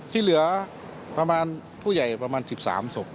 ที่เหลือผู้ใหญ่ประมาณ๑๓ศพ